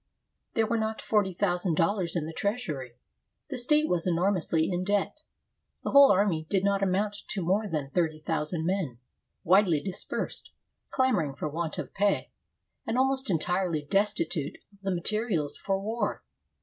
There were not forty thousand dollars in the treasury; the state was enor mously in debt; the whole army did not amount to more than thirty thousand men, widely dispersed, clamoring for want of pay, and almost entirely destitute of the materials for war.